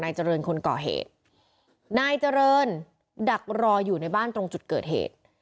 เจริญคนก่อเหตุนายเจริญดักรออยู่ในบ้านตรงจุดเกิดเหตุ